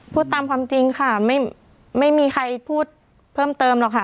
พูดตามความจริงค่ะไม่มีใครพูดเพิ่มเติมหรอกค่ะ